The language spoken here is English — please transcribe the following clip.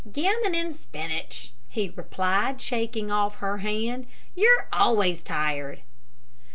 "Gammon and spinach," he replied, shaking off her hand, "you're always tired."